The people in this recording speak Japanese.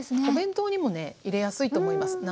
お弁当にもね入れやすいと思います。